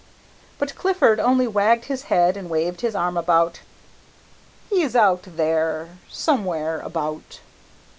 But Clifford only wagged his head and waved his arm about. "He's out there, somewhere about."